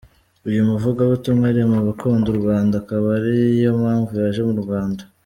Uyu muvugabutumwa ari mu bakunda u Rwanda, akaba ari yo mpamvu yaje mu Rwanda.